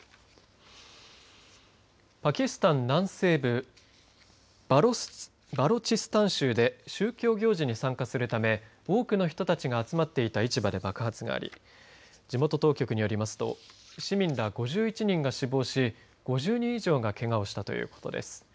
パキスタン南西部バロチスタン州で宗教行事に参加するため多くの人たちが集まっていた市場で爆発があり地元当局によりますと市民ら５１人が死亡し５０人以上がけがをしたということです。